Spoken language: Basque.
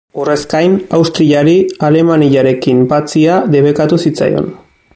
Horrez gain, Austriari Alemaniarekin batzea debekatu zitzaion.